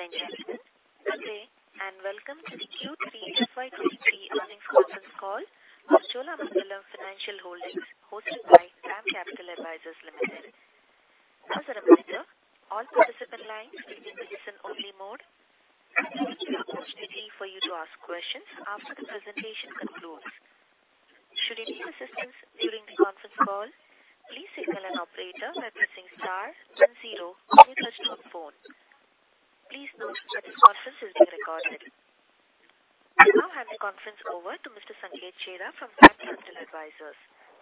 Ladies and gentlemen, good day, and welcome to the Q3 FY'23 earnings conference call of Cholamandalam Financial Holdings hosted by DAM Capital Advisors Limited. As a reminder, all participant lines will be in listen-only mode. There will be an opportunity for you to ask questions after the presentation concludes. Should you need assistance during the conference call, please signal an operator by pressing star one zero on your touchtone phone. Please note that this conference will be recorded. I now hand the conference over to Mr. Sanket Chheda from DAM Capital Advisors.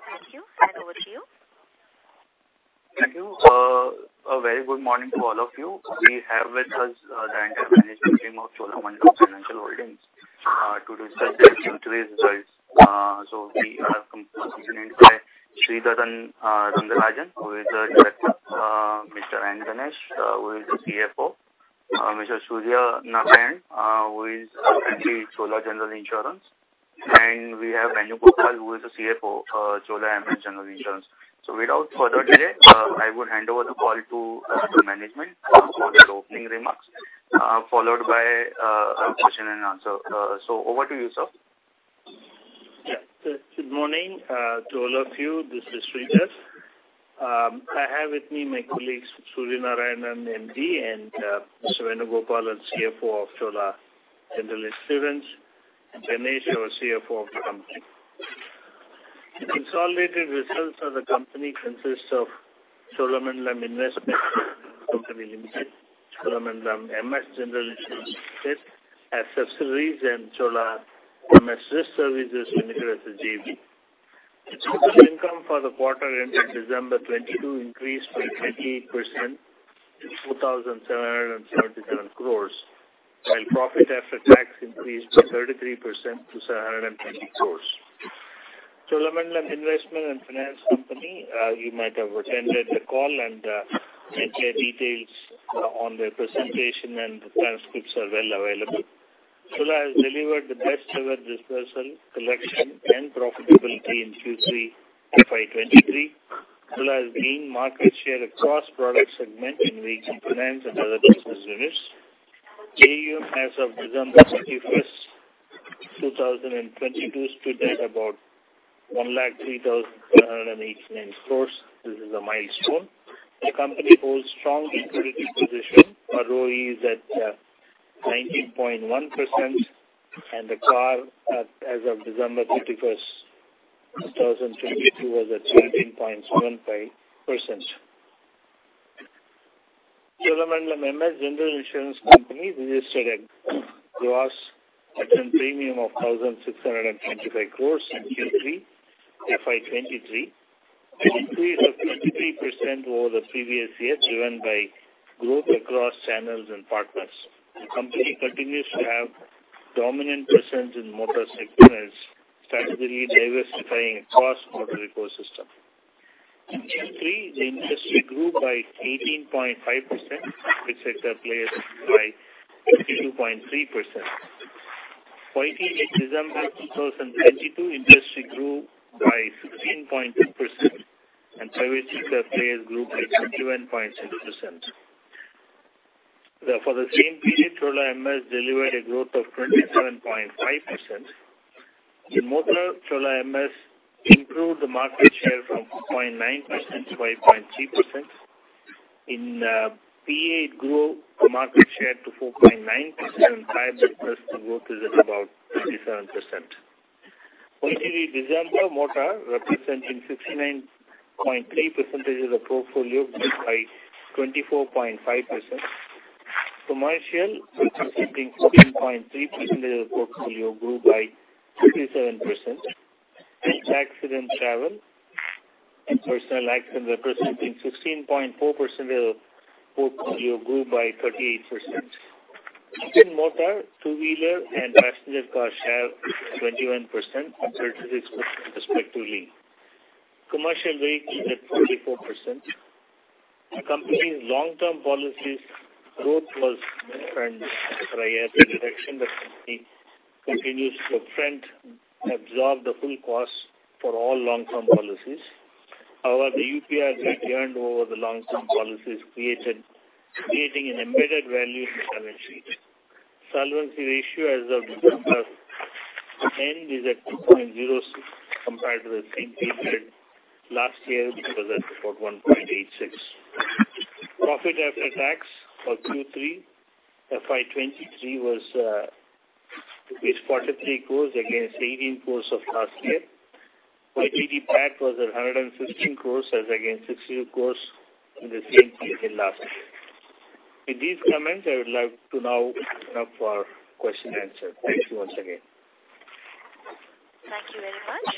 Thank you and over to you. Thank you. A very good morning to all of you. We have with us the entire management team of Cholamandalam Financial Holdings to discuss their Q3 results. We are accompanied today by Sridhar Narayanaswamy, who is the Director, Mr. N. Ganesh, who is the CFO, Mr. Surya Narayanan, who is currently Chola General Insurance, and we have Venugopal, who is the CFO of Chola MS General Insurance. Without further delay, I will hand over the call to the management for their opening remarks, followed by a question and answer. Over to you, sir. Yeah. Good morning to all of you. This is Sridhar. I have with me my colleagues V. Suryanarayanan, MD, and Mr. Venugopal, CFO of Cholamandalam MS General Insurance, and N. Ganesh, our CFO of the company. The consolidated results of the company consists of Cholamandalam Investment and Finance Company Limited, Cholamandalam MS General Insurance, Accessories, and Cholamandalam MS Risk Services Limited as a JV. Total income for the quarter ending December 2022 increased by 28% to 2,777 crores, while profit after tax increased by 33% to 720 crores. Cholamandalam Investment and Finance Company, you might have attended the call and get their details on the presentation and transcripts are well available. Chola has delivered the best ever dispersal, collection, and profitability in Q3 FY'23. Chola has gained market share across product segment in vehicle finance and other business units. AUM as of December 31, 2022 stood at about 103,789 crores. This is a milestone. The company holds strong liquidity position. Our ROE is at 19.1%, and the CAR as of December 31, 2022 was at 13.75%. Cholamandalam MS General Insurance Company registered a gross written premium of 1,625 crores in Q3 FY'23. Increase of 23% over the previous year driven by growth across channels and partners. The company continues to have dominant presence in motor sector and is strategically diversifying across motor ecosystem. In Q3, the industry grew by 18.5%, which excess players by 22.3%. For Q3 December 2022, industry grew by 16.2%, and private sector players grew by 21.6%. For the same period, Chola MS delivered a growth of 27.5%. In motor, Chola MS improved the market share from 2.9% to 5.3%. In PA it grew the market share to 4.9% and entire book personal growth is at about 27%. For Q3 December, motor representing 59.3% of the portfolio grew by 24.5%. Commercial, representing 14.3% of portfolio grew by 27%. Accident travel and personal accident representing 16.4% of portfolio grew by 38%. Within motor, two-wheeler and passenger car share 21% and 36% respectively. Commercial vehicle at 44%. The company's long-term policies growth was different for IFR reduction. The company continues to upfront absorb the full cost for all long-term policies. However, the UPI returned over the long-term policies created, creating an embedded value in the balance sheet. Solvency ratio as of December 10th is at 2.06 compared to the same period last year which was at about 1.86. Profit after tax for Q3 FY'23 was, it's 43 crores against 18 crores of last year. For Q3, PAT was at 116 crores as against 62 crores in the same period last year. With these comments, I would like to now open up for question and answer. Thank you once again. Thank you very much.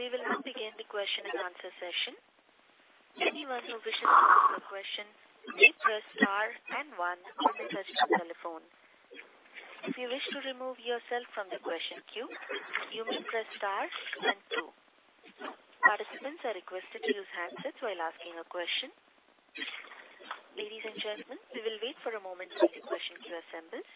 We will now begin the question and answer session. Anyone who wishes to ask a question, please press star and one on the touchtone telephone. If you wish to remove yourself from the question queue, you may press star and two. Participants are requested to use handsets while asking a question. Ladies and gentlemen, we will wait for a moment while the question queue assembles.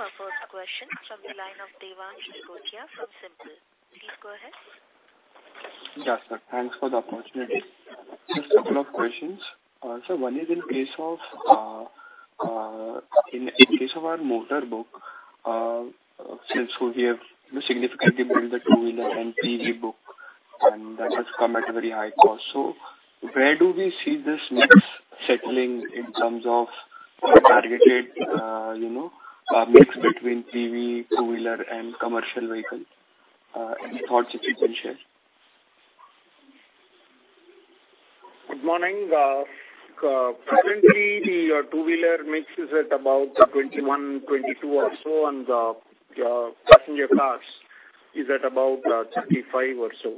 We have our first question from the line of Devansh Nigotia from SIMPL. Please go ahead. Yes, sir. Thanks for the opportunity. Just a couple of questions. One is in case of our motor book, since we have significantly built the two-wheeler and PV book, and that has come at a very high cost. Where do we see this mix settling in terms of targeted, you know, mix between PV, two-wheeler and commercial vehicles? Any thoughts that you can share? Good morning. Currently the two-wheeler mix is at about 21, 22 or so, and passenger cars is at about 35 or so.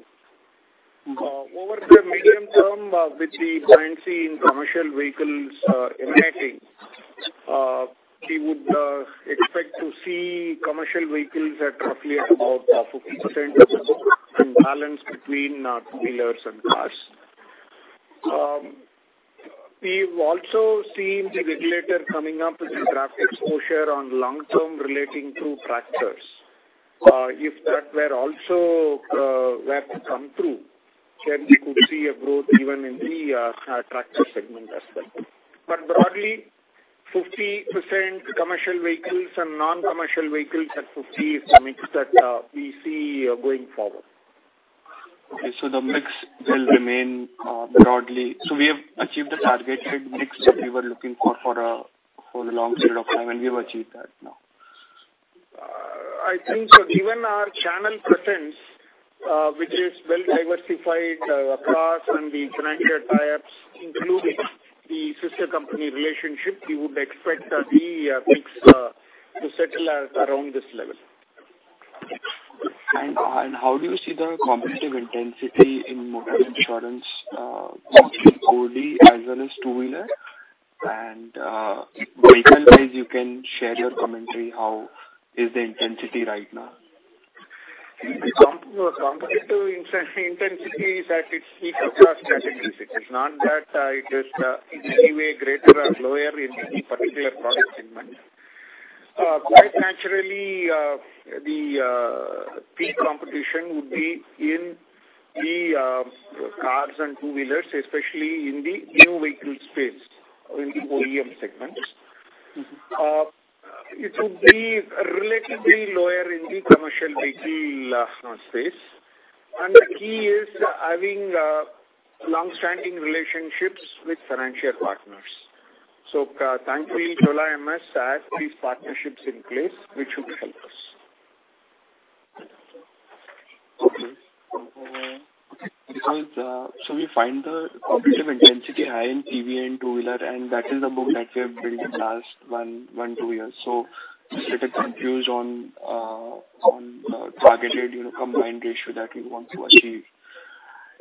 Over the medium term, with the buoyancy in commercial vehicles, emanating, we would expect to see commercial vehicles at roughly at about 50% and balance between two-wheelers and cars. We've also seen the regulator coming up with the draft exposure on long term relating to tractors. If that were also were to come through, then we could see a growth even in the tractor segment as well. Broadly, 50% commercial vehicles and non-commercial vehicles at 50% is the mix that we see going forward. Okay. The mix will remain broadly. We have achieved the targeted mix that we were looking for for the long period of time, and we have achieved that now. I think so. Given our channel presence, which is well diversified across and the financial tie-ups, including the sister company relationship, we would expect the mix to settle at around this level. How do you see the competitive intensity in motor insurance, both in OD as well as two-wheeler and vehicle-wise you can share your commentary, how is the intensity right now? The competitive intensity is at its peak across categories. It is not that it is in any way greater or lower in any particular product segment. Quite naturally, the peak competition would be in the cars and two-wheelers, especially in the new vehicle space or in the OEM segments. Mm-hmm. It would be relatively lower in the commercial vehicle space. The key is having long-standing relationships with financial partners. Thankfully, Chola MS has these partnerships in place, which should help us. Okay. Because we find the competitive intensity high in PV and two-wheeler, and that is the book that we have built in the last one, two years. Just little confused on targeted, you know, combined ratio that you want to achieve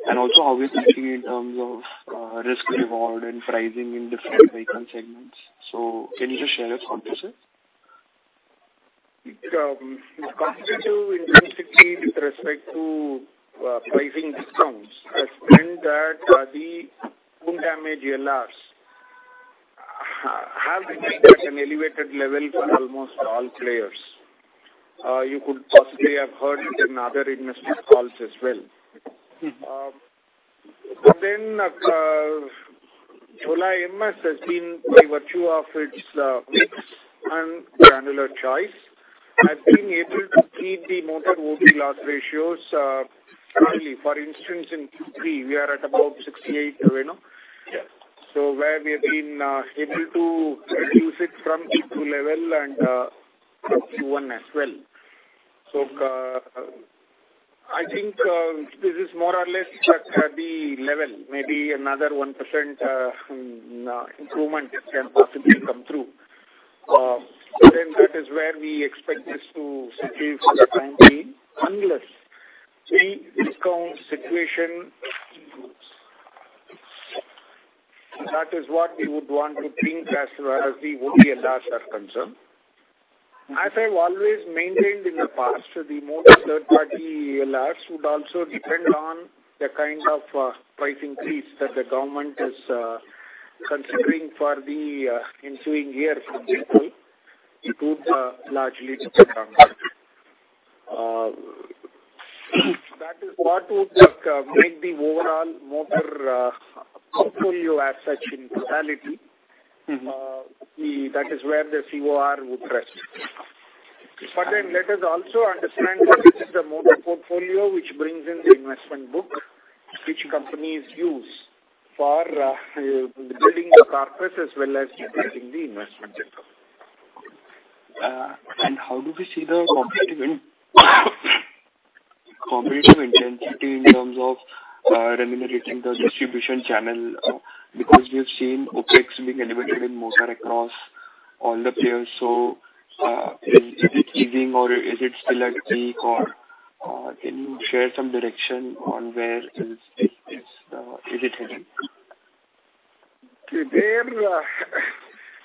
and also how we are thinking in terms of risk reward and pricing in different vehicle segments. Can you just share your thoughts, sir? The competitive intensity with respect to pricing discounts has been that the wound damage LRs have remained at an elevated level for almost all players. You could possibly have heard it in other investor calls as well. Mm-hmm. Chola MS has been by virtue of its mix and granular choice, has been able to keep the motor OD loss ratios currently. For instance, in Q3 we are at about 68%, Venu. Yes. Where we have been able to reduce it from Q2 level and Q1 as well. I think this is more or less at the level, maybe another 1% improvement can possibly come through. That is where we expect this to settle for the time being, unless the discount situation improves. That is what we would want to think as the OD LRs are concerned. As I've always maintained in the past, the motor third party LRs would also depend on the kind of price increase that the government is considering for the ensuing year, for example. It would largely determine that. That is what would make the overall motor portfolio as such in totality. Mm-hmm. That is where the COR would rest. Let us also understand that this is the motor portfolio which brings in the investment book which companies use for building the corpus as well as utilizing the investment income. How do we see the competitive intensity in terms of remunerating the distribution channel? Because we have seen OpEx being elevated in motor across all the players. Is it easing or is it still at peak or, can you share some direction on where is it heading? There,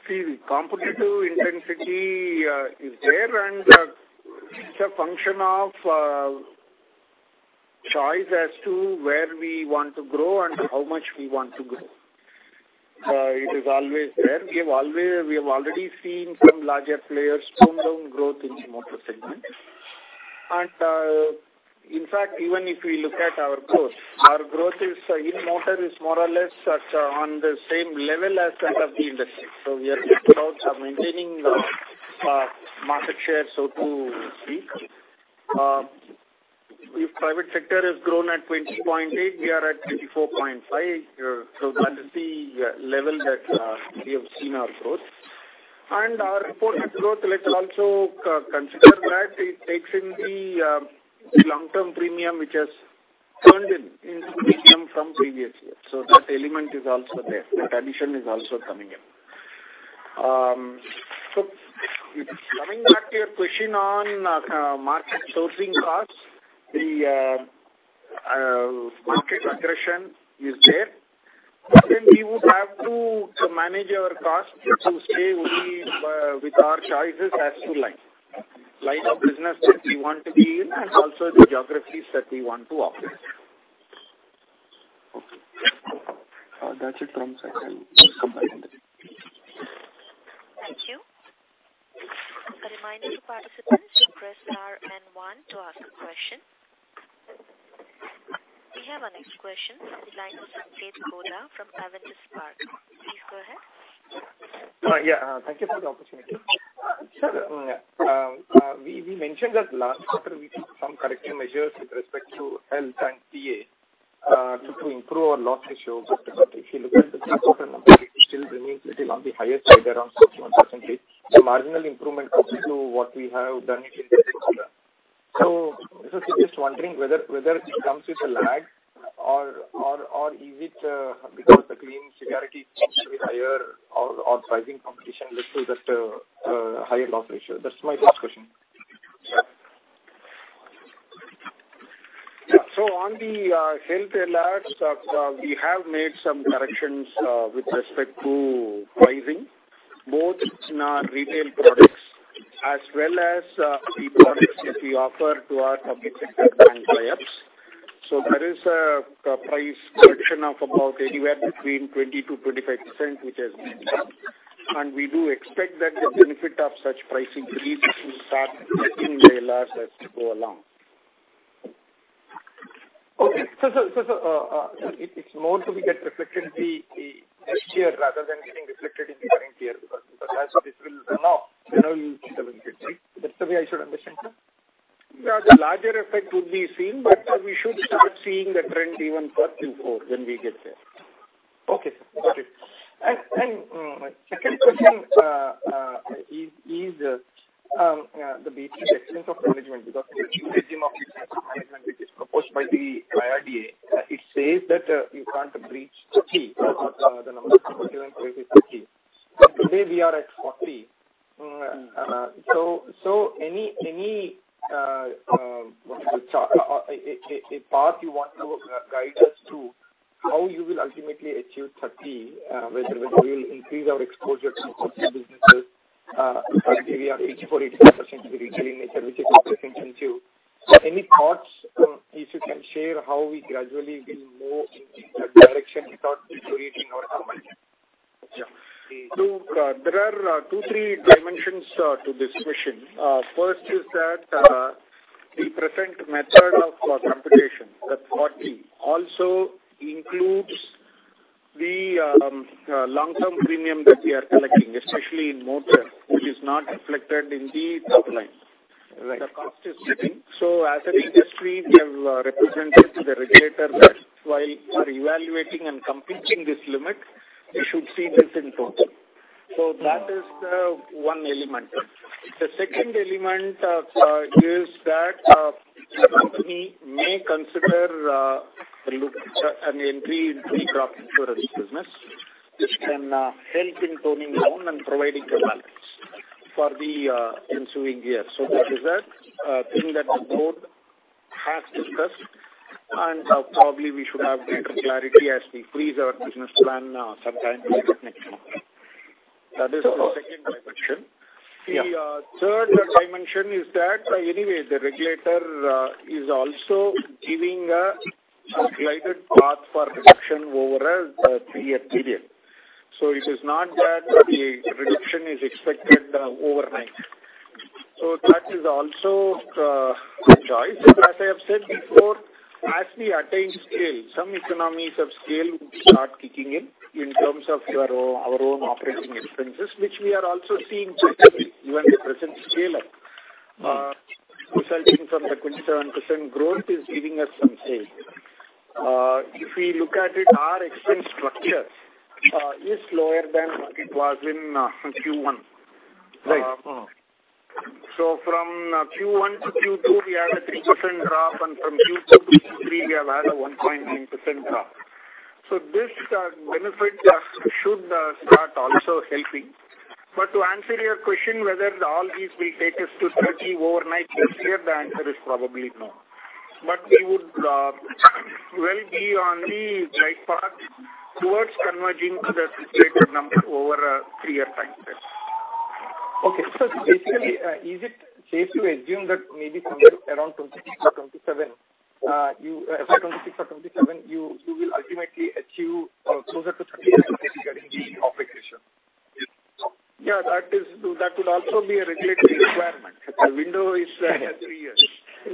see, competitive intensity is there and it's a function of choice as to where we want to grow and how much we want to grow. It is always there. We have already seen some larger players tone down growth in the motor segment. In fact, even if we look at our growth, our growth is, in motor is more or less at on the same level as that of the industry. We are just about maintaining the market share, so to speak. If private sector has grown at 20.8%, we are at 24.5%. That is the level that we have seen our growth. Our reported growth, let's also consider that it takes in the long-term premium which has turned in premium from previous years. That element is also there. That addition is also coming in. Coming back to your question on market sourcing costs, the market aggression is there. We would have to manage our costs to stay with our choices as to line of business that we want to be in and also the geographies that we want to operate. Okay. That's it from side. I'll come back in a bit. Thank you. A reminder to participants to press star and one to ask a question. We have our next question from the line of Sanketh Godha from Avendus Yeah. Thank you for the opportunity. Sir, we mentioned that last quarter we took some corrective measures with respect to health and PA to improve our loss ratio. If you look at the claim ratio number, it still remains little on the higher side around 61%, 70%. Marginal improvement versus to what we have done in the previous quarter. Just wondering whether it comes with a lag or is it because the claim severity seems to be higher or pricing competition leads to that higher loss ratio? That's my first question. On the health ALADs, we have made some corrections with respect to pricing, both in our retail products as well as the products that we offer to our public sector bank clients. There is a price correction of about anywhere between 20%-25%, which has been done. We do expect that the benefit of such pricing changes will start kicking the ALADs as we go along. Okay. It's more to be get reflected in the next year rather than getting reflected in the current year because as this will run off, then only it will get reflected. That's the way I should understand, sir? Yeah. The larger effect would be seen, but we should start seeing the trend even quarter before when we get there. Okay, sir. Got it. second question is the Mm-hmm. The new regime of expense to management, which is proposed by the IRDA. It says that, you can't breach 30. The number of claim ratio is 30. Today we are at 40. Any what you would call, a path you want to guide us to how you will ultimately achieve 30, whether we'll increase our exposure to corporate businesses, because we are 84%-85% with retail in nature, which is a concern too. Any thoughts, if you can share how we gradually will move in that direction without deteriorating our margin? Yeah. There are two, three dimensions to this question. First is that the present method of computation, that's 40, also includes the long-term premium that we are collecting, especially in motor, which is not reflected in the top line. Right. The cost is sitting. As an industry, we have represented to the regulator that while are evaluating and completing this limit, we should see this in total. That is the one element. The second element is that the company may consider a look, an entry into crop insurance business, which can help in toning down and providing the balance for the ensuing year. That is a thing that the board has discussed. Probably we should have better clarity as we freeze our business plan sometime next month. That is the second dimension. Yeah. The third dimension is that, anyway, the regulator is also giving a glided path for reduction over a three-year period. It is not that the reduction is expected overnight. That is also a choice. As I have said before, as we attain scale, some economies of scale would start kicking in in terms of our own, our own operating expenses, which we are also seeing trajectory even at the present scale up, resulting from the 27% growth is giving us some say. If we look at it, our expense structure is lower than it was in Q1. Right. Mm-hmm. From Q1 to Q2, we had a 3% drop, and from Q2 to Q3, we have had a 1.9% drop. This benefit should start also helping. To answer your question, whether all these will take us to 30 overnight next year, the answer is probably no. We would well be on the right path towards converging to the stated number over a three year time frame. Basically, is it safe to assume that maybe from around 26 or 27, you will ultimately achieve closer to 30? Yeah. regarding the obligation. Yeah, that would also be a regulatory requirement. The window is three years.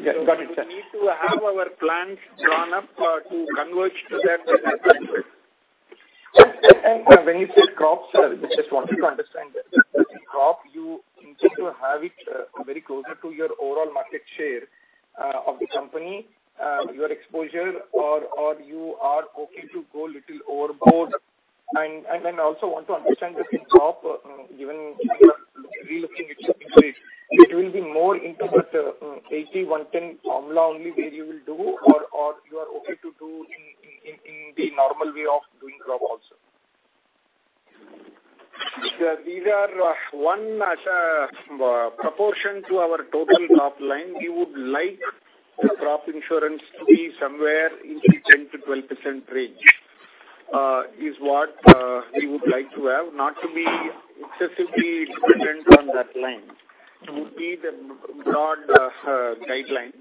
Yes. Got it, sir. we need to have our plans drawn up, to converge to that. When you say crop, sir, I just want to understand. The crop, you intend to have it very closer to your overall market share of the company, your exposure or you are okay to go a little overboard. Then I also want to understand that in crop, given you are relooking it will be more into that 80, 100 formula only where you will do or you are okay to do in the normal way of doing crop also. These are one as a proportion to our total top line. We would like the crop insurance to be somewhere in the 10%-12% range, is what we would like to have. Not to be excessively dependent on that line. Would be the broad guideline.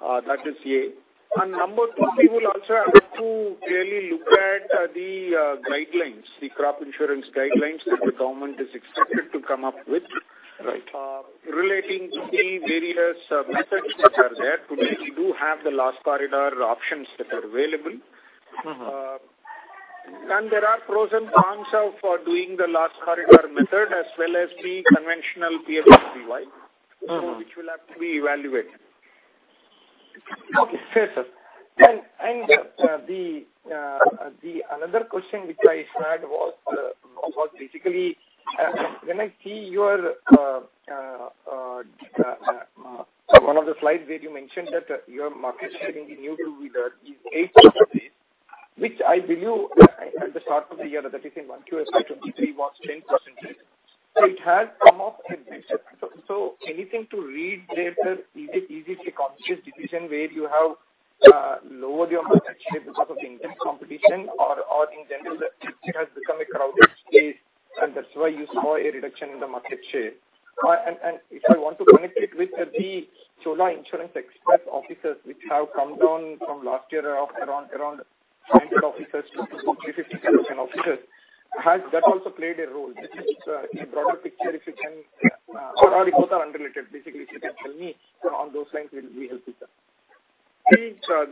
That is A. Number two, we will also have to clearly look at the guidelines, the crop insurance guidelines that the government is expected to come up with. Right. Relating to the various methods which are there. Today we do have the last corridor options that are available. Mm-hmm. There are pros and cons of doing the last corridor method as well as the conventional PMFBY. Mm-hmm. which will have to be evaluated. Okay. Fair, sir. Another question which I had was basically, when I see your one of the slides where you mentioned that your market sharing in jewelry is 8.3, which I believe at the start of the year, that is in Q1 FY23 was 10%. It has come off. Anything to read there, sir? Is it a conscious decision where you have lowered your market share because of the intense competition or in general that it has become a crowded space and that's why you saw a reduction in the market share? If I want to connect it with the Chola Insurance Express offices which have come down from last year of around 200 offices to 357 offices, has that also played a role? This is a broader picture if you can, or both are unrelated? Basically, if you can tell me on those lines will help, sir.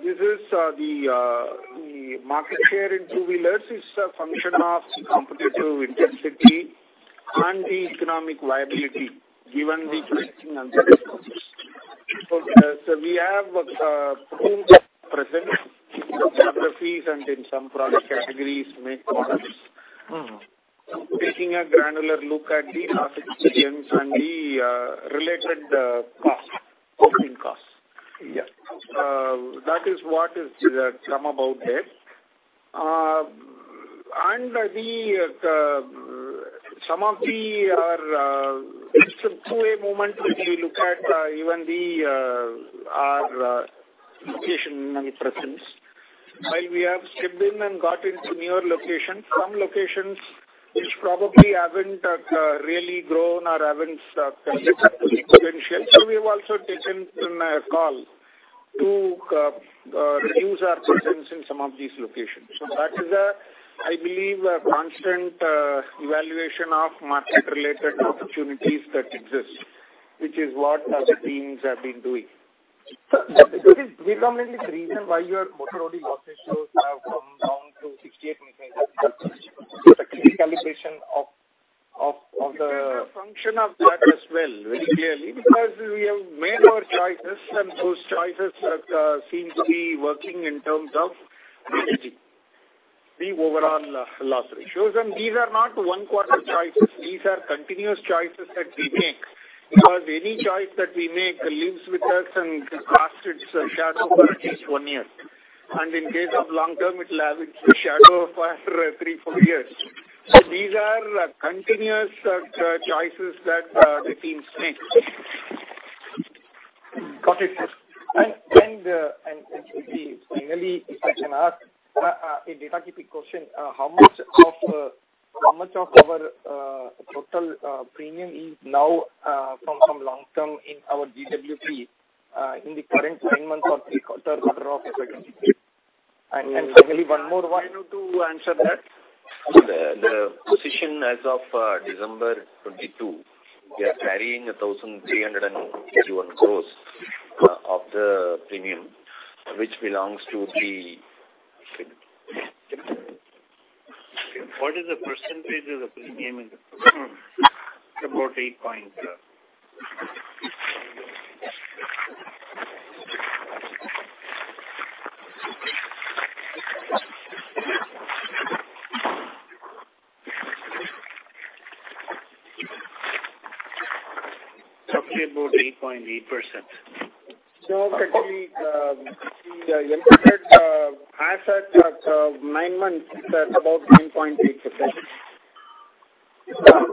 This is the market share in jewelers is a function of competitive intensity and the economic viability given the pricing and other costs. We have teams at present after fees and in some product categories may products. Mm-hmm. Taking a granular look at the assets and the related cost, opening costs. Yeah. That is what is some about it. The some of the, it's a two-way moment. If you look at even the our location and presence. While we have stepped in and got into newer locations, some locations which probably haven't really grown or haven't delivered up to the potential. We have also taken a call to reduce our presence in some of these locations. That is a, I believe, a constant evaluation of market-related opportunities that exist, which is what our teams have been doing. Sir, is this predominantly the reason why your motor OD loss ratios have come down to 68%, the recalibration of the? Function of that as well, very clearly, because we have made our choices and those choices seem to be working in terms of the overall loss ratios. These are not one quarter choices. These are continuous choices that we make, because any choice that we make lives with us and casts its shadow for at least one year. In case of long term, it'll have its shadow for three, four years. These are continuous choices that the teams make. Got it. Finally, if I can ask a data keeping question, how much of our total premium is now from long term in our GWP in the current nine months or third quarter of 2023? Finally, one more one. I know to answer that. The position as of December 22, we are carrying 1,381 gross of the premium which belongs to the What is the % of the premium in the? Roughly about 8.8%. Actually, the uncollect assets at nine months is at about 9.8%.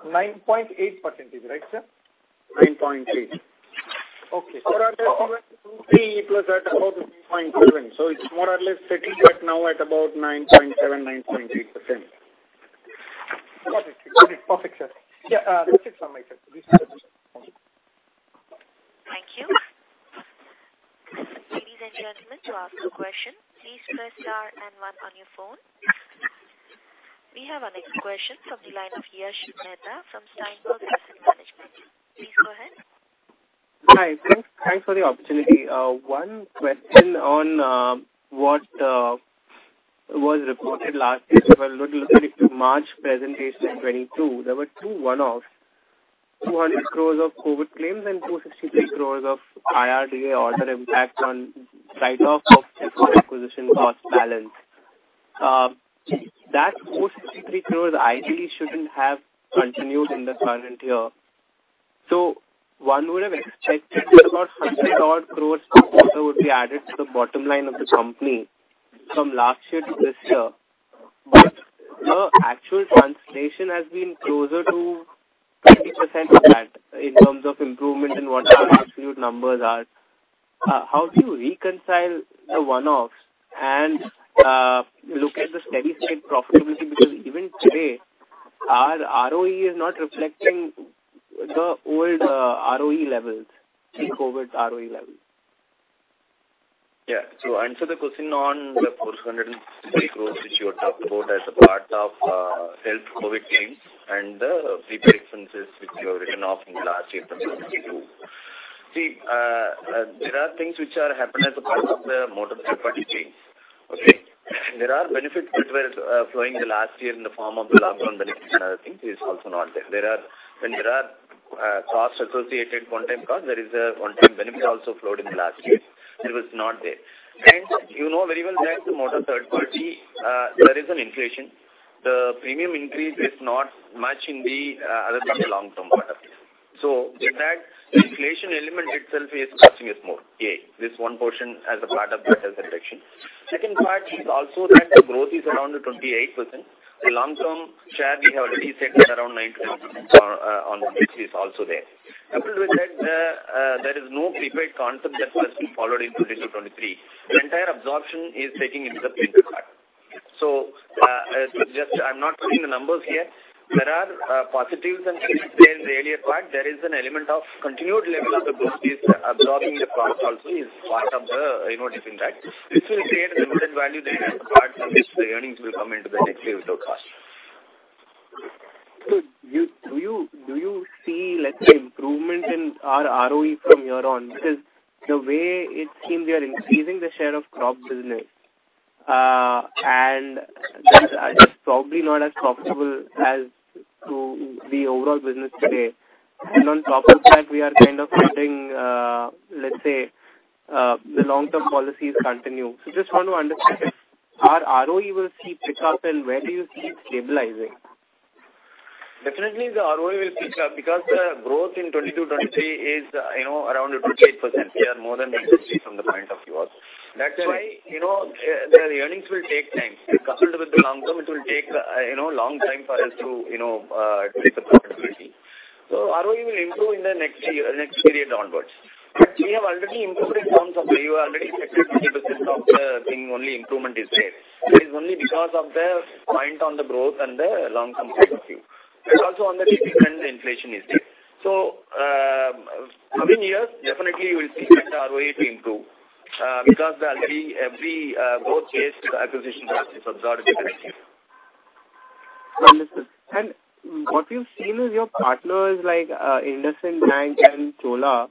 9.8%, right, sir? 9.8%. Okay. More or less two, three plus at about 0.7. It's more or less settled right now at about 9.7%, 9.8%. Got it. Got it. Perfect, sir. Yeah, that's it from my side. Thank you. Ladies and gentlemen, to ask a question, please press star and one on your phone. We have our next question from the line of Yash Mehta from Steinberg Asset Management. Please go ahead. Hi, thanks for the opportunity. One question on what was reported last year. If I look at it to March presentation 2022, there were two one-off, 200 crores of COVID claims and 263 crores of IRDA order impact on write-off of acquisition cost balance. That 463 crores ideally shouldn't have continued in the current year. One would have expected about 100 odd crores support would be added to the bottom line of the company from last year to this year. The actual translation has been closer to 20% of that in terms of improvement in what our absolute numbers are. How do you reconcile the one-offs and look at the steady state profitability? Even today, our ROE is not reflecting the old ROE levels, pre-COVID ROE levels. Yeah. To answer the question on the 463 crores which you have talked about as a part of health COVID claims and the prepaid expenses which you have written off in the last year from 2022. See, there are things which are happening as a part of the motor third-party claims. Okay? There are benefits which were flowing in the last year in the form of the lockdown benefits and other things is also not there. When there are costs associated, one-time cost, there is a one-time benefit also flowed in the last year. It was not there. You know very well that the motor third party, there is an inflation. The premium increase is not matching the other long-term part of it. With that, the inflation element itself is costing us more, A, this one portion as a part of the health inflation. Second part is also that the growth is around the 28%. The long-term share we have already said is around 19% on which is also there. Coupled with that, there is no prepaid concept that was followed in 2022, 2023. The entire absorption is taking into the claim part. Just I'm not putting the numbers here. There are positives and negatives there. In the earlier part, there is an element of continued level of the growth is absorbing the cost also is part of the, you know, different track. This will create a limited value there as a part from which the earnings will come into the next year without cost. Do you see, let's say, improvement in our ROE from here on? The way it seemed, we are increasing the share of crop business, and that is probably not as profitable as to the overall business today. On top of that, we are kind of getting, let's say, the long-term policies continue. Just want to understand if our ROE will see pick up and where do you see it stabilizing? Definitely the ROE will pick up because the growth in 2022-23 is, you know, around a 28%. We are more than industry from the point of view also. That's why, you know, the earnings will take time. Coupled with the long term, it will take, you know, long time for us to, you know, to reach the profitability. ROE will improve in the next year, next period onwards. We have already improved it down some way. We already expected 20% of the thing only improvement is there. It is only because of the point on the growth and the long-term point of view. It's also on the treatment the inflation is there. Coming years, definitely you will see that ROE to improve because the every growth case, the acquisition growth is absorbed in the next year. Understood. What we've seen is your partners like IndusInd Bank and Chola,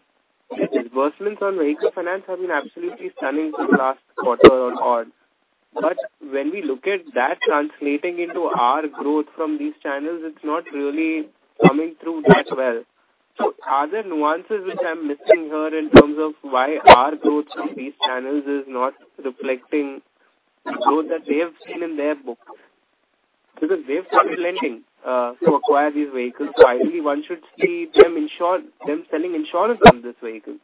disbursements on vehicle finance have been absolutely stunning since last quarter on odd. When we look at that translating into our growth from these channels, it's not really coming through that well. Are there nuances which I'm missing here in terms of why our growth from these channels is not reflecting growth that they have seen in their books? They've started lending to acquire these vehicles. Finally, one should see them selling insurance on this vehicle.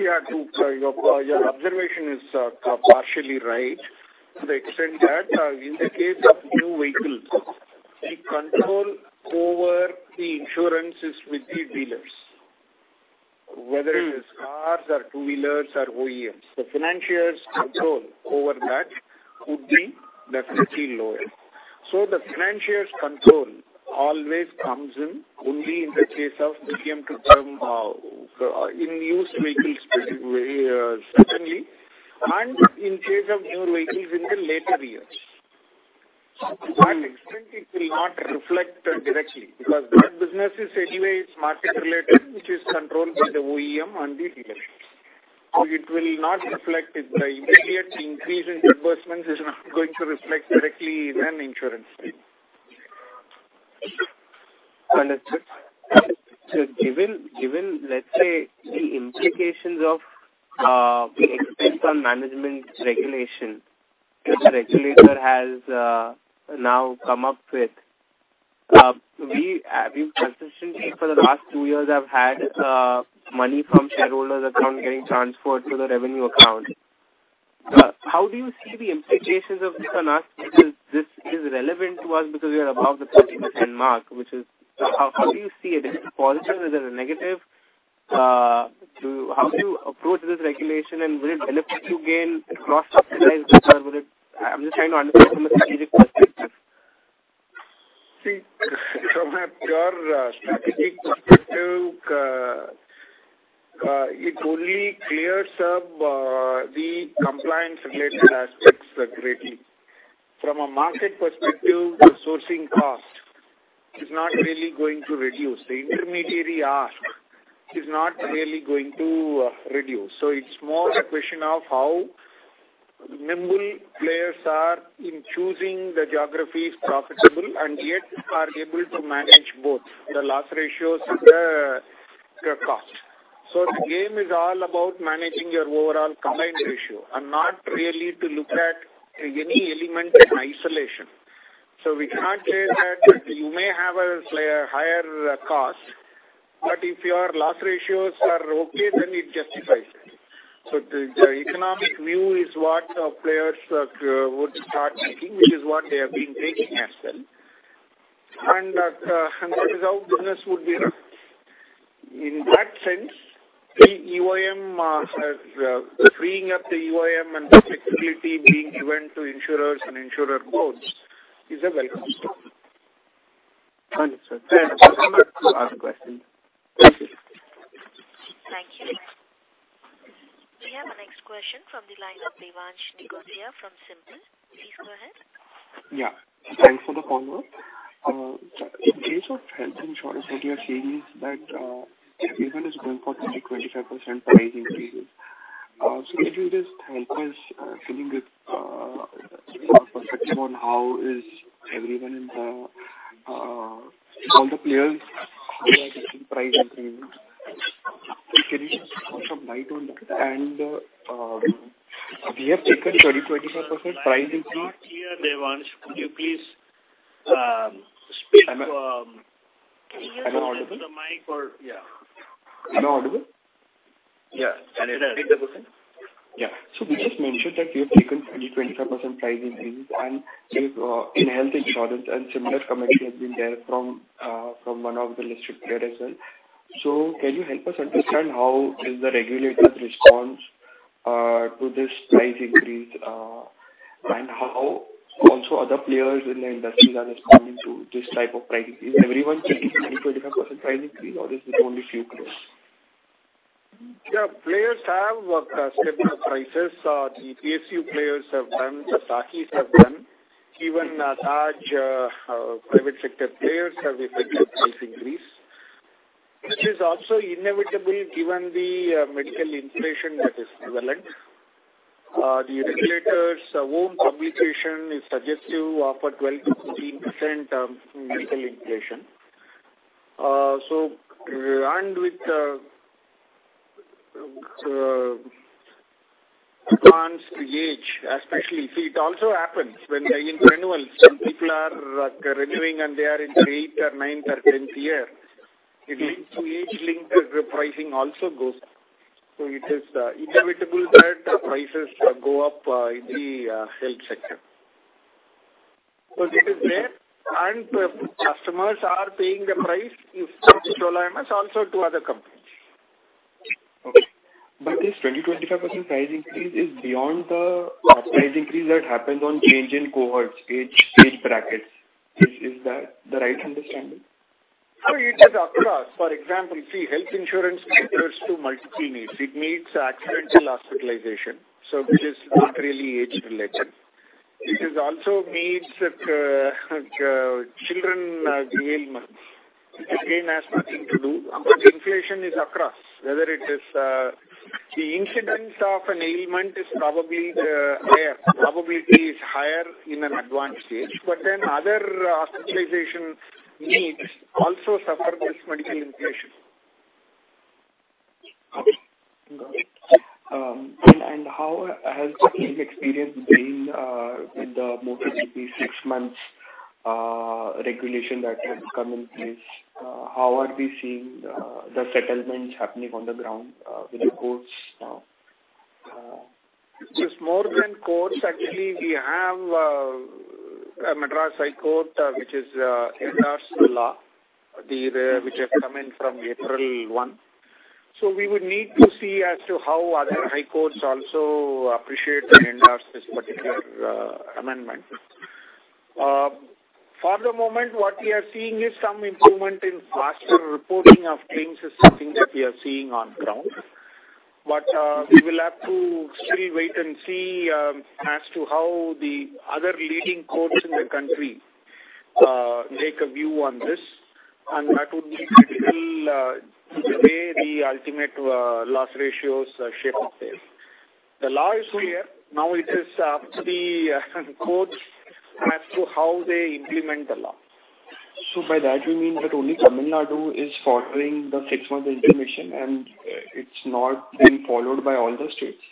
Yeah. Your observation is partially right to the extent that in the case of new vehicles, the control over the insurance is with the dealers. Mm-hmm. Whether it is cars or two-wheelers or OEMs. The financier's control over that would be definitely lower. The financier's control always comes in only in the case of we came to term in used vehicles, very certainly, and in case of new vehicles in the later years. To what extent it will not reflect directly because that business is anyway is market related, which is controlled by the OEM and the dealers. It will not reflect it. The immediate increase in disbursements is not going to reflect directly in an insurance claim. Understood. Given, let's say, the implications of the expense on management regulation that the regulator has now come up with, we've consistently for the last two years have had money from shareholders account getting transferred to the revenue account. How do you see the implications of this on us? Because this is relevant to us because we are above the 30% mark, which is how do you see it? Is it a positive? Is it a negative? How do you approach this regulation? Will it benefit you again across, I'm just trying to understand from a strategic perspective. See, from a pure strategic perspective, it only clears up the compliance related aspects greatly. From a market perspective, the sourcing cost is not really going to reduce. The intermediary arc is not really going to reduce. It's more a question of how nimble players are in choosing the geographies profitable and yet are able to manage both the loss ratios and the cost. The game is all about managing your overall combined ratio and not really to look at any element in isolation. We can't say that you may have a higher cost, but if your loss ratios are okay, then it justifies it. The economic view is what players would start taking, which is what they have been taking as well. That is how business would be run. In that sense, the EOYM has the freeing up the EOYM and flexibility being given to insurers and insurer quotes is a welcome step. Understood. Thank you. I have no further questions. Thank you. We have our next question from the line of Devansh Nigotia from SIMPL. Please go ahead. Yeah, thanks for the call, sir. In case of health insurance, what we are seeing is that everyone is going for 20%-25% price increases. Could you just help us getting this your perspective on how is everyone in the all the players who are getting price increases. Can you just throw some light on that? We have taken 20%-25% price increase. I'm not clear, Devansh. Could you please speak? Am I- Can you just use the mic or... Yeah. Am I audible? Yeah. Can you repeat the question? We just mentioned that we have taken 20%-25% price increase and we've in health insurance and similar comment has been there from one of the listed player as well. Can you help us understand how is the regulator's response to this price increase? How also other players in the industry are responding to this type of price increase? Everyone taking 20%-25% price increase or is it only few players? Yeah. Players have stepped up prices. The PSU players have done, the SAHIs have done. Even large private sector players have effected price increase, which is also inevitable given the medical inflation that is prevalent. The regulators' own publication is suggestive of a 12%-13% medical inflation. With advance to age especially, see it also happens when they're in renewals. Some people are renewing, and they are in their eighth or ninth or tenth year. It links to age, linked to pricing also goes. It is inevitable that prices go up in the health sector. It is there, and customers are paying the price to Reliance General Insurance also to other companies. Okay. This 20-25% price increase is beyond the price increase that happens on change in cohorts, age brackets. Is that the right understanding? It is across. For example, see, health insurance caters to multiple needs. It meets accidental hospitalization, which is not really age related. It is also needs children, the ailments, which again has nothing to do. Inflation is across, whether it is, the incidence of an ailment is probably higher. Probability is higher in an advanced age. Other hospitalization needs also suffer this medical inflation. Okay, got it. How has the claim experience been with the motor TP six months regulation that has come in place? How are we seeing the settlements happening on the ground with the courts now? It is more than courts. Actually, we have a Madras High Court, which has endorsed the law. Which has come in from April 1. We would need to see as to how other high courts also appreciate and endorse this particular amendment. For the moment, what we are seeing is some improvement in faster reporting of claims is something that we are seeing on ground. We will have to still wait and see as to how the other leading courts in the country take a view on this. That would be critical to the way the ultimate loss ratios shape up there. The law is clear. Now it is up to the courts as to how they implement the law. by that you mean that only Tamil Nadu is following the six-month intimation, and it's not been followed by all the states?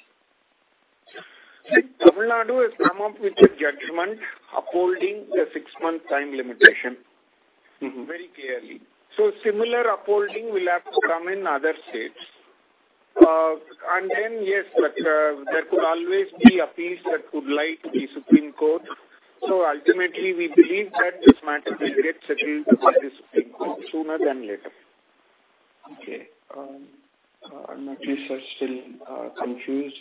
Tamil Nadu has come up with a judgment upholding the six-month time limitation. Very clearly. Similar upholding will have to come in other states. Yes, that, there could always be appeals that could lie to the Supreme Court. Ultimately, we believe that this matter will get settled by the Supreme Court sooner than later. Okay. I'm at least still confused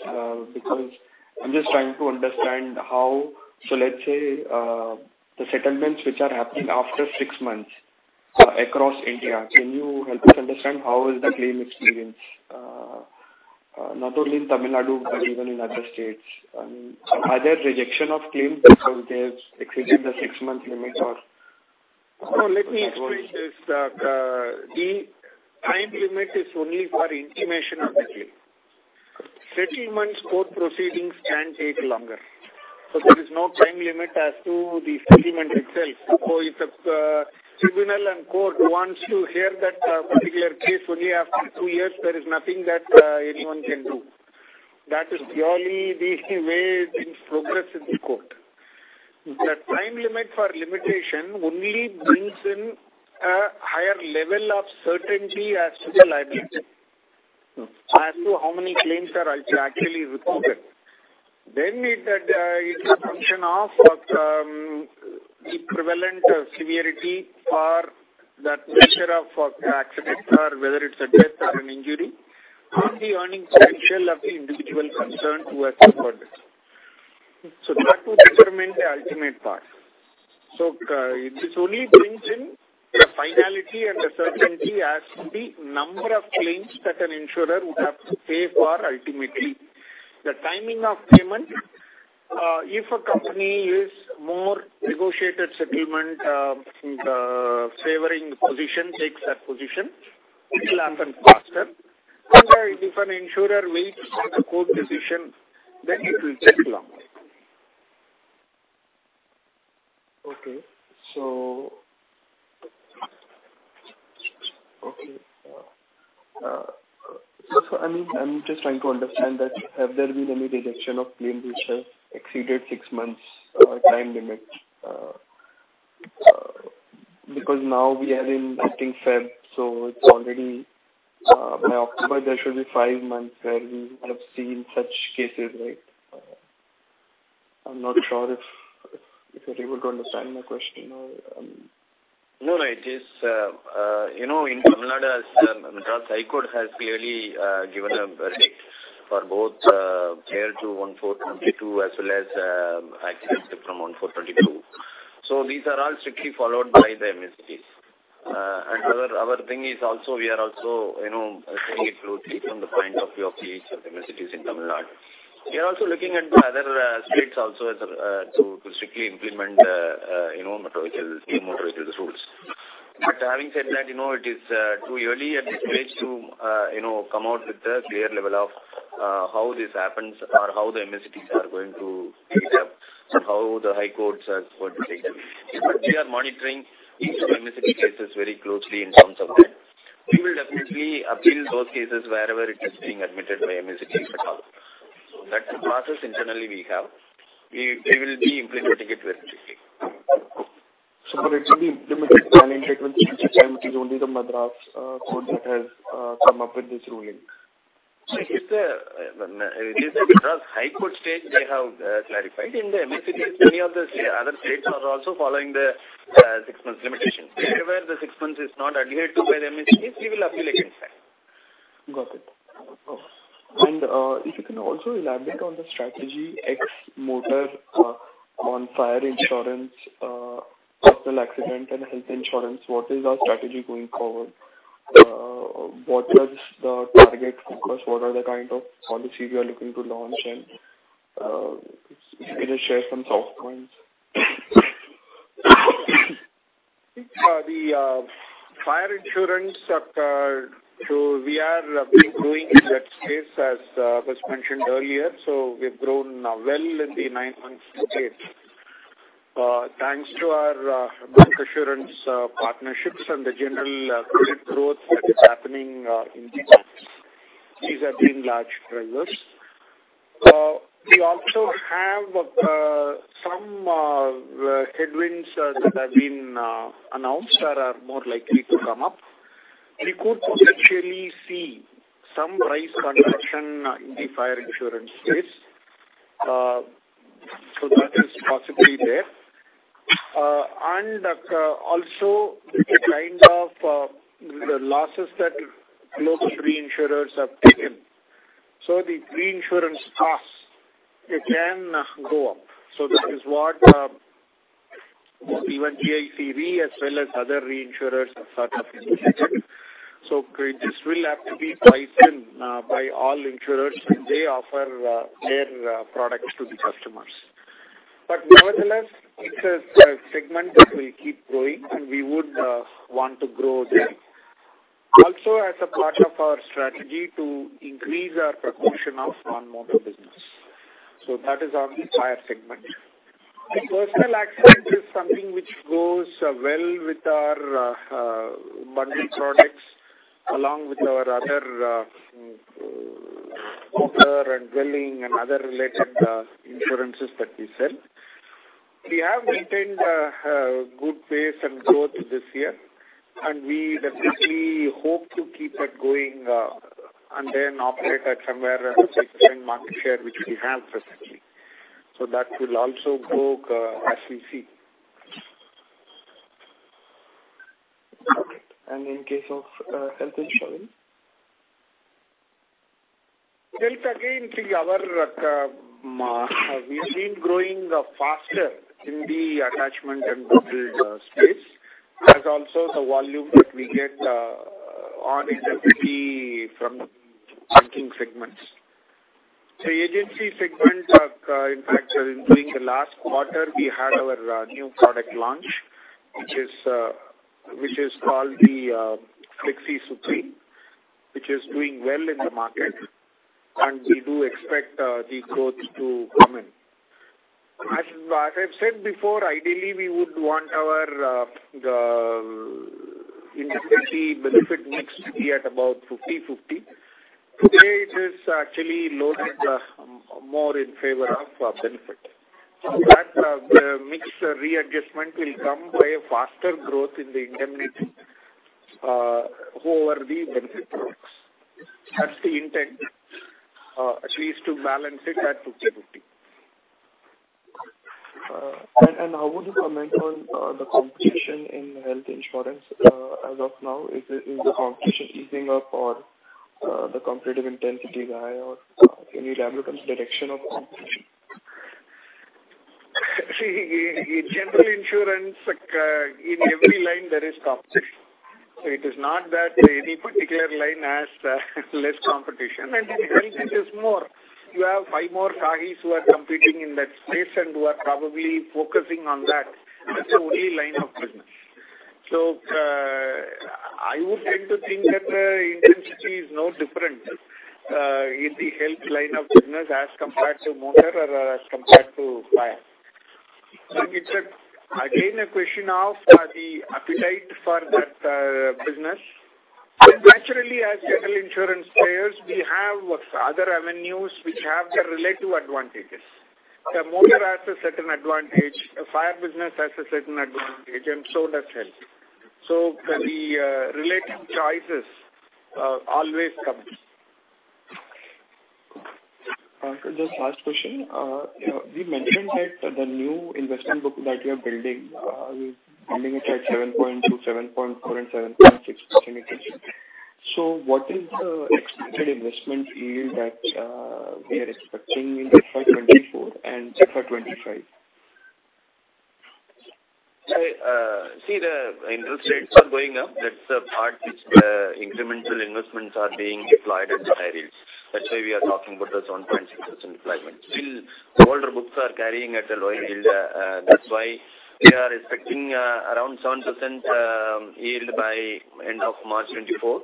because I'm just trying to understand. Let's say the settlements which are happening after six months across India, can you help us understand how is the claim experience not only in Tamil Nadu but even in other states? Are there rejection of claims because they've exceeded the six-month limit or? Let me explain this. The time limit is only for intimation of the claim. Settlements, court proceedings can take longer. There is no time limit as to the settlement itself. If the tribunal and court wants to hear that particular case only after two years, there is nothing that anyone can do. That is purely the way things progress in the court. The time limit for limitation only brings in a higher level of certainty as to the liability. Mm-hmm. As to how many claims are actually recorded. It's a function of the prevalent severity for that measure of accident or whether it's a death or an injury and the earning potential of the individual concerned who has suffered it. That will determine the ultimate part. It only brings in the finality and the certainty as to the number of claims that an insurer would have to pay for ultimately. The timing of payment, if a company is more negotiated settlement, favoring position takes that position, it will happen faster. If an insurer waits for the court decision, then it will take longer. Okay. Okay. I mean, I'm just trying to understand that have there been any rejection of claim which has exceeded six months, time limit? Now we are in, I think, February, so it's already by October there should be five months where we would have seen such cases, right? I'm not sure if you're able to understand my question or. No, no, it is. You know, in Tamil Nadu, as Madras High Court has clearly given a verdict for both prior to 1/4/2022 as well as accidents from 1/4/2022. These are all strictly followed by the MSTs. Our thing is also we are also, you know, taking it through from the point of view of each of the MSTs in Tamil Nadu. We are also looking at the other states also as to strictly implement the, you know, motor vehicle, new motor vehicle rules. Having said that, you know, it is too early at this stage to, you know, come out with a clear level of how this happens or how the MSTs are going to adapt and how the high courts are going to take it. We are monitoring each of MST cases very closely in terms of that. We will definitely appeal those cases wherever it is being admitted by MST if at all. That process internally we have. We will be implementing it very strictly. For it to be implemented, is only the Madras code that has come up with this ruling. It's a, it is the Madras High Court state they have clarified. In the MACTs, many of the other states are also following the six months limitation. Wherever the six months is not adhered to by the MACTs, we will appeal against that. Got it. If you can also elaborate on the strategy ex-motor, on fire insurance, personal accident and health insurance, what is our strategy going forward? What was the target focus? What are the kind of policies we are looking to launch and, if you could just share some soft points. The fire insurance sector, we are growing in that space as was mentioned earlier. We've grown well in the nine months to date. Thanks to our bank assurance partnerships and the general credit growth that is happening in the banks. These have been large drivers. We also have some headwinds that have been announced or are more likely to come up. We could potentially see some price correction in the fire insurance space. That is possibly there. Also the kind of the losses that local reinsurers have taken. The reinsurance costs, it can go up. This is what even GIC Re as well as other reinsurers have started indicating. This will have to be priced in by all insurers when they offer their products to the customers. Nevertheless, it's a segment that will keep growing, and we would want to grow there. Also as a part of our strategy to increase our proportion of non-motor business. That is on the fire segment. The personal accident is something which goes well with our bundled products along with our other Motor and dwelling and other related insurances that we sell. We have maintained a good pace and growth this year, and we definitely hope to keep that going and then operate at somewhere around 6% market share, which we have presently. That will also grow as we see. Okay. In case of health insurance? Health, again, see our, we have been growing faster in the attachment and group health space, as also the volume that we get on indemnity from banking segments. The agency segments are, in fact, during the last quarter we had our new product launch, which is called the Flexi Supreme, which is doing well in the market, and we do expect the growth to come in. As I've said before, ideally we would want our the indemnity benefit mix to be at about 50/50. Today it is actually loaded more in favor of benefit. That the mix readjustment will come by a faster growth in the indemnity over the benefit products. That's the intent, at least to balance it at 50/50. How would you comment on the competition in health insurance, as of now? Is the competition easing up or the competitive intensity high or any level of direction of competition? See, in general insurance, like, in every line there is competition. It is not that any particular line has less competition. In health it is more. You have five more SAHIs who are competing in that space and who are probably focusing on that as the only line of business. I would tend to think that the intensity is no different in the health line of business as compared to motor or as compared to fire. Like it's a, again, a question of the appetite for that business. Naturally, as general insurance players, we have other avenues which have their relative advantages. The motor has a certain advantage, a fire business has a certain advantage, and so does health. The relative choices always come in. Just last question. you know, we mentioned that the new investment book that you're building, you're building it at 7.2%, 7.4% and 7.6%. What is the expected investment yield that we are expecting in FY 2024 and FY 2025? See the interest rates are going up. That's the part which the incremental investments are being deployed at higher yields. That's why we are talking about the 7.6% deployment. Still, the older books are carrying at a lower yield. That's why we are expecting around 7% yield by end of March 2024.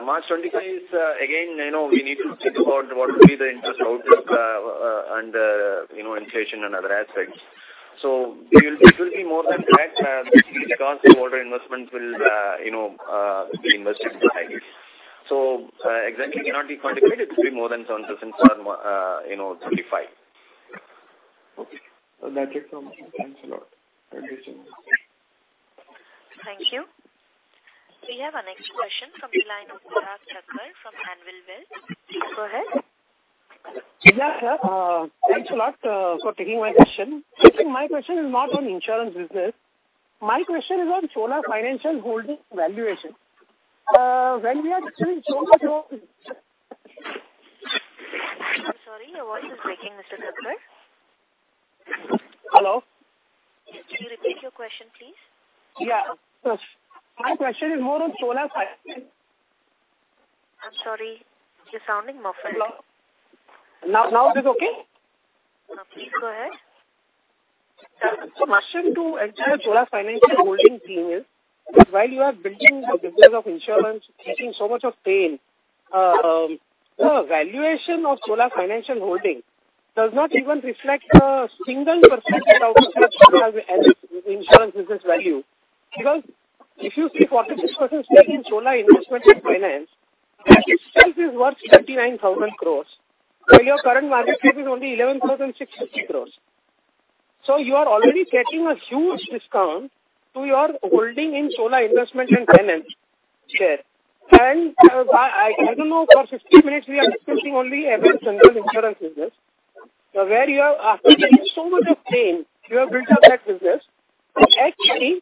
March 2025 is, again, you know, we need to think about what will be the interest outlook, and, you know, inflation and other aspects. It will be more than that because the older investments will, you know, be invested behind it. Exactly cannot be quantified. It could be more than 7% for, you know, 2025. Okay. That's it from my end. Thanks a lot. Thank you, sir. Thank you. We have our next question from the line of Parag Thakkar from Anvil Wealth. Please go ahead. Yeah, sure. Thanks a lot for taking my question. My question is not on insurance business. My question is on Chola Financial Holdings valuation. When we are seeing I'm sorry, your voice is breaking, Mr. Thakkar. Hello. Can you repeat your question please? Yeah. My question is more on Chola Finance. I'm sorry. You're sounding muffled. Hello. Now is it okay? Please go ahead. My question to Cholamandalam Financial Holdings team is, while you are building the business of insurance, taking so much of pain, the valuation of Cholamandalam Financial Holdings does not even reflect a 1% out of such insurance business value. If you see 46% stake in Chola Investment Finance, that itself is worth 39,000 crores. Your current market cap is only 11,650 crores. You are already getting a huge discount to your holding in Chola Investment and Finance share. I don't know, for 60 minutes we are discussing only Chola MS General Insurance business, where you have, after taking so much of pain, you have built up that business. Actually,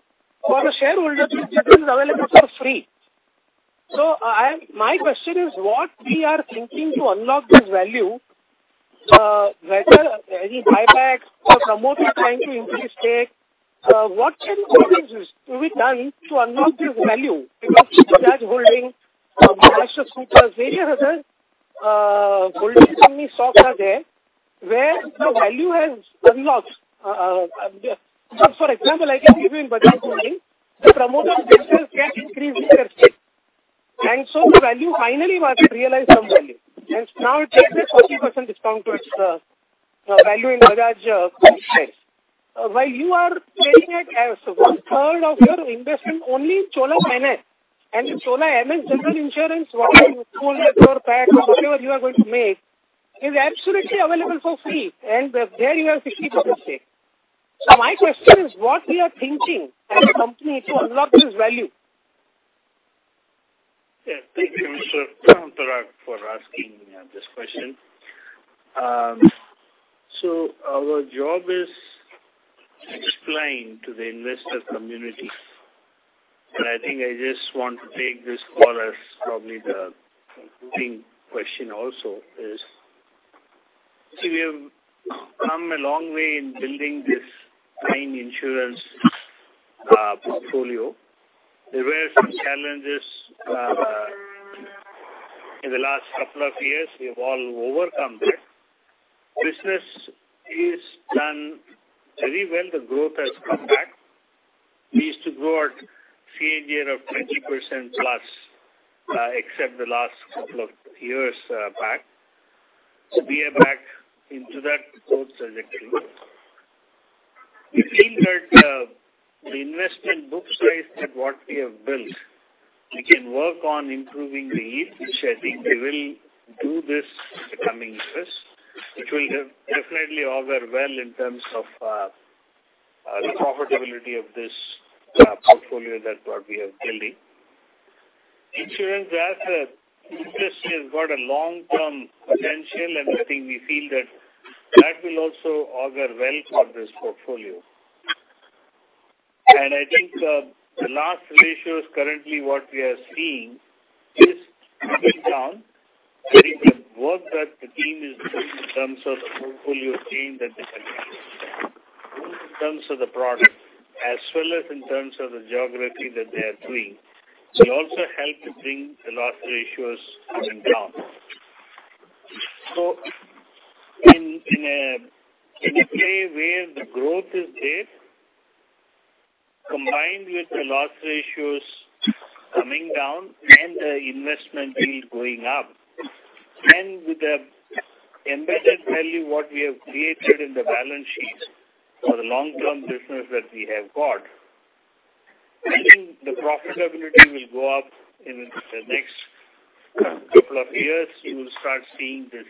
for a shareholder, this business is available for free. My question is what we are thinking to unlock this value, whether any buyback or promoter trying to increase stake. What things is to be done to unlock this value? Bajaj Holding, Maharashtra Scooters, various other holding company stocks are there where the value has unlocked. For example, I can give you in Bajaj Holding, the promoters themselves can increase their stake. The value finally market realized some value. Now it trades at 40% discount to its value in Bajaj group shares. While you are paying at as one third of your investment only Chola MS. In Chola MS General Insurance, whatever you hold your pack or whatever you are going to make, is absolutely available for free. There you have 50% stake. My question is, what we are thinking as a company to unlock this value? Yeah. Thank you, Mr. Parag for asking this question. Our job is explaining to the investor community, and I think I just want to take this call as probably the concluding question also is. We have come a long way in building this fine insurance portfolio. There were some challenges in the last couple of years. We have all overcome that. Business is done very well. The growth has come back. We used to grow at CAGR of 20% plus, except the last couple of years back. We are back into that growth trajectory. We feel that the investment book size at what we have built, we can work on improving the yield, which I think we will do this in the coming years. It will have definitely all were well in terms of the profitability of this portfolio that what we are building. Insurance as a industry has got a long-term potential, and I think we feel that that will also augur well for this portfolio. I think, the loss ratios currently what we are seeing is coming down. Very good work that the team is doing in terms of the portfolio change that they can make. In terms of the product as well as in terms of the geography that they are doing will also help to bring the loss ratios even down. In a way where the growth is there, combined with the loss ratios coming down and the investment yield going up, and with the embedded value, what we have created in the balance sheets for the long-term business that we have got, I think the profitability will go up in the next couple of years. You will start seeing this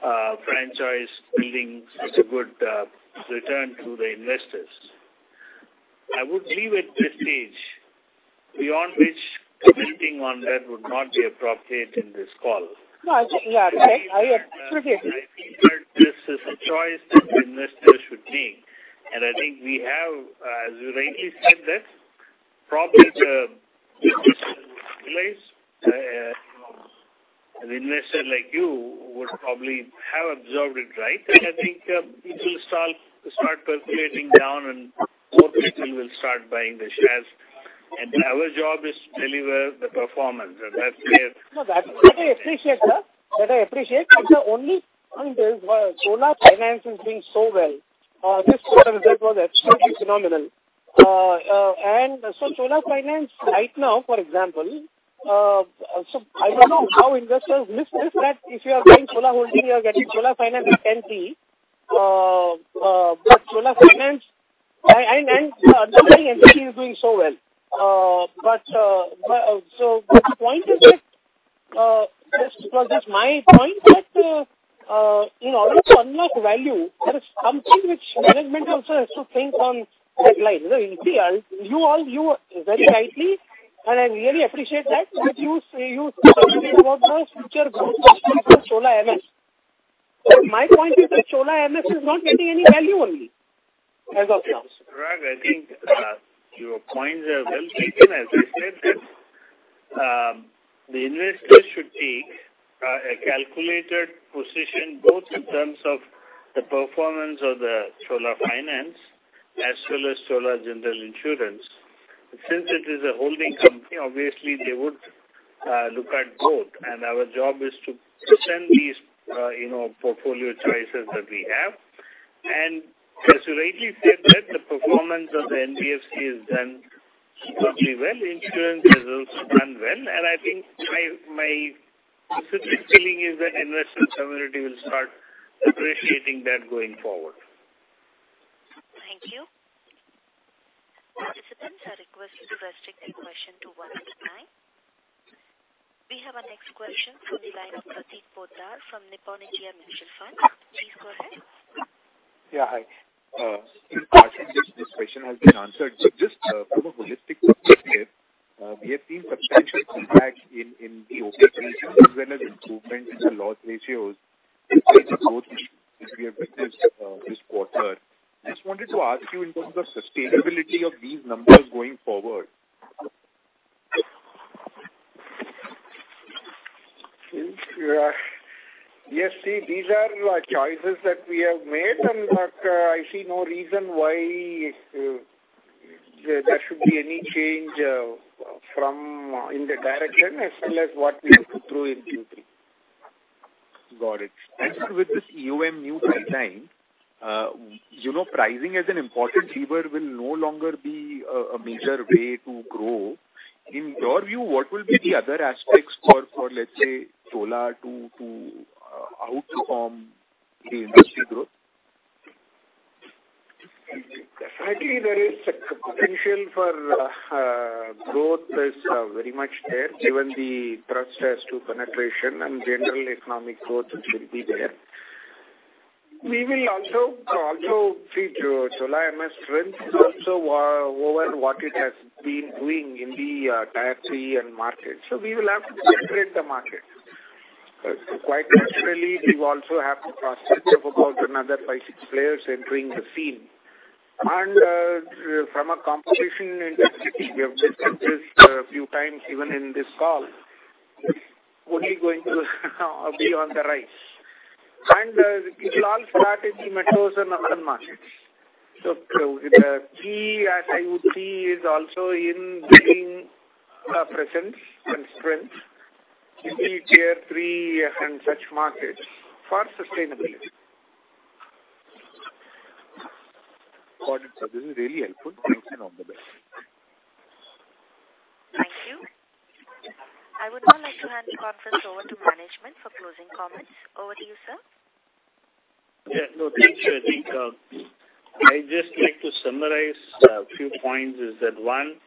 franchise building such a good return to the investors. I would leave at this stage beyond which commenting on that would not be appropriate in this call. No, I, yeah. Okay. I appreciate. I think that this is a choice that the investor should make. I think we have, as you rightly said that probably the place, an investor like you would probably have observed it, right? I think it will start calculating down and more people will start buying the shares. Our job is to deliver the performance, and that's where. No. That I appreciate, sir. That I appreciate. The only point is Chola Finance is doing so well. This quarter result was absolutely phenomenal. So Chola Finance right now, for example, so I don't know how investors miss that if you are buying Chola Holding, you are getting Chola Finance at 10 P. Chola Finance, I understand why NBFC is doing so well. So the point is that, just because it's my point that, in order to unlock value, that is something which management also has to think on those lines. You know, you see, you all view very rightly, and I really appreciate that. You say you speculate about the future growth potential for Chola MS. My point is that Chola MS is not getting any value only as of now. Mr. Parag, I think your points are well taken. As I said that, the investors should take a calculated position both in terms of the performance of Chola Finance as well as Chola MS General Insurance. Since it is a holding company, obviously they would look at both. Our job is to present these, you know, portfolio choices that we have. As you rightly said that the performance of the NBFC has done probably well. Insurance has also done well. I think my specific feeling is that investor community will start appreciating that going forward. Thank you. Participants are requested to restrict their question to one at a time. We have our next question from the line of Prateek Poddar from Nippon India Mutual Fund. Please go ahead. Yeah. Hi. In part, I think this question has been answered. Just from a holistic perspective, we have seen substantial impact in the opex ratio as well as improvement in the loss ratios. It's a growth issue that we have witnessed this quarter. Just wanted to ask you in terms of sustainability of these numbers going forward. Yes. See, these are choices that we have made but, I see no reason why there should be any change, from in the direction as well as what we went through in Q3. Got it. With this EOM new timeline, you know, pricing as an important lever will no longer be a major way to grow. In your view, what will be the other aspects for let's say, Chola to outperform the industry growth? Definitely there is a potential for growth is very much there, given the thrust as to penetration and general economic growth which will be there. We will also see Chola MS strength also over what it has been doing in the tier three end markets. We will have to penetrate the market. Quite naturally, we also have the prospects of about another five, six players entering the scene. From a competition intensity, we have discussed this a few times even in this call, only going to be on the rise. It will all start at the metros and urban markets. The key, as I would see, is also in building a presence and strength in the tier three and such markets for sustainability. Got it. This is really helpful. Wishing all the best. Thank you. I would now like to hand the conference over to management for closing comments. Over to you, sir. Yeah. No, thanks. I think, I'd just like to summarize a few points, is that, one,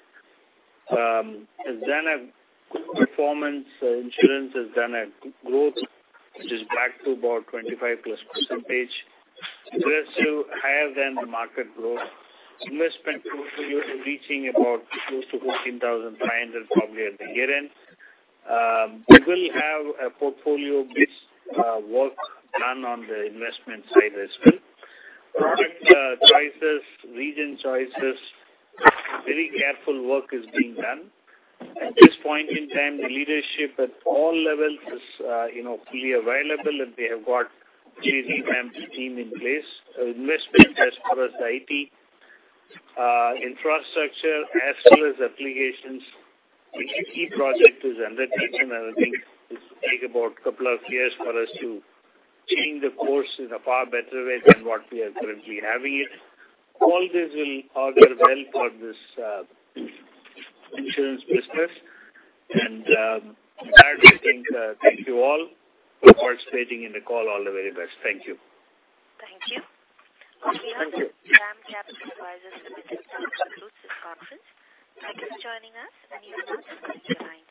has done a good performance. Insurance has done a growth, which is back to about 25%+. It is still higher than the market growth. Investment portfolio is reaching about close to 14,500 probably at the year-end. We will have a portfolio-based, work done on the investment side as well. Product, choices, region choices, very careful work is being done. At this point in time, the leadership at all levels is, you know, fully available, and they have got really ramped team in place. Investment as far as IT, infrastructure as well as applications, which a key project is undertaken. I think this will take about couple of years for us to change the course in a far better way than what we are currently having it. All this will augur well for this insurance business. With that I think, thank you all for participating in the call. All the very best. Thank you. Thank you. Thank you. On behalf of DAM Capital Advisors Limited, I'll conclude this conference. Thank you for joining us. You may disconnect your lines.